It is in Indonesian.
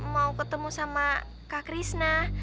mau ketemu sama kak krisna